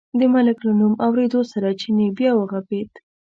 د ملک له نوم اورېدو سره چیني بیا و غپېد.